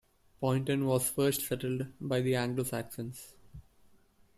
Poynton was first settled by the Anglo-Saxons.